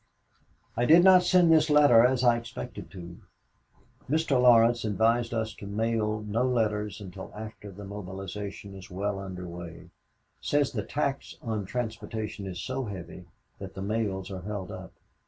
"I did not send this letter as I expected to. Mr. Laurence advised us to mail no letters until after the mobilization is well under way says the tax on transportation is so heavy that the mails are held up.